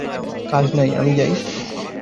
কাজ নাই, আমি যাই।